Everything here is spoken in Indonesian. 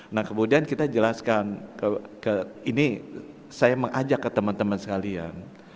nah kemudian kita jelaskan ini saya mengajak ke teman teman sekalian